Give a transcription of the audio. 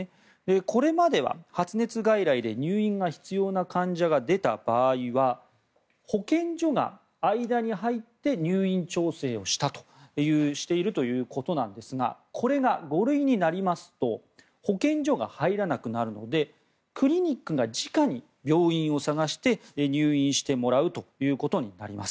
これまでは発熱外来で入院が必要な患者が出た場合は保健所が間に入って入院調整をしているということですがこれが５類になりますと保健所が入らなくなるのでクリニックが直に病院を探して入院してもらうということになります。